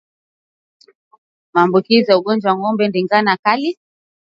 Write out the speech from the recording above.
Maambukizi ya ugonjwa wa ndigana kali kwa ngombe